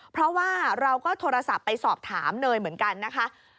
เพราะว่าเราก็โทรศัพท์ไปสอบถามเนยเหมือนกันนะคะ